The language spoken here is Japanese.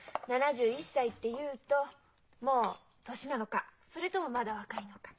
７１歳っていうともう年なのかそれともまだ若いのか。